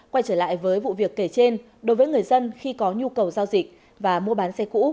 quay trở lại với vụ việc kể trên đối với người dân khi có nhu cầu giao dịch và mua bán xe cũ